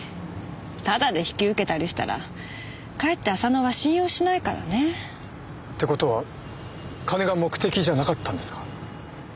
ただで引き受けたりしたらかえって浅野は信用しないからね。って事は金が目的じゃなかったんですか？